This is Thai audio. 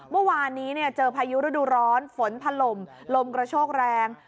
เมื่อวานนี้เจอพายุฤดูร้อนฝนถล่มลมกระโชกแรง